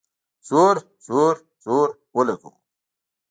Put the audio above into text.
زور ، زور، زور اولګوو